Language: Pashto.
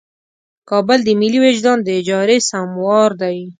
کابل د ملي وجدان د اجارې سموار دی.